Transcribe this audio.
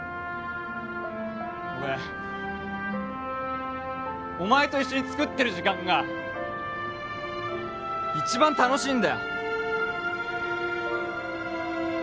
俺お前と一緒に作ってる時間が一番楽しいんだよ